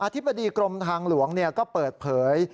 ธิบดีกรมทางหลวงก็เปิดเผย